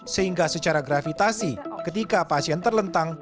sehingga secara gravitasi ketika pasien terlentang